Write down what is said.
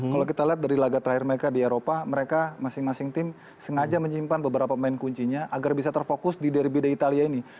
kalau kita lihat dari laga terakhir mereka di eropa mereka masing masing tim sengaja menyimpan beberapa pemain kuncinya agar bisa terfokus di derby day italia ini